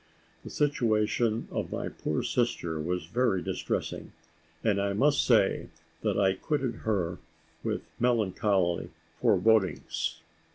The situation of my poor sister was very distressing; and I must say that I quitted her with melancholy forebodings.